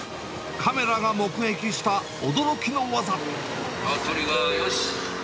カメラが目撃した驚きの技。